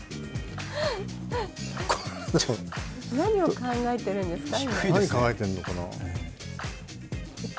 何を考えてるんですか、今。